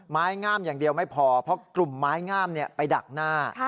ไม้งามอย่างเดียวไม่พอเพราะกลุ่มไม้งามไปดักหน้า